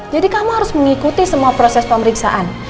jadi kamu harus mengikuti semua proses pemeriksaan